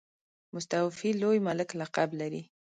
مستوفي لوی ملک لقب لري.